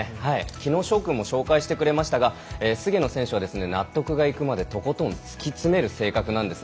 きのう翔君も紹介してくれましたが、菅野選手納得がいくまでとことん突き詰める性格なんです。